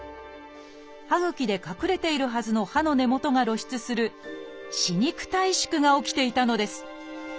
歯ぐきで隠れているはずの歯の根元が露出する「歯肉退縮」が起きていたのです。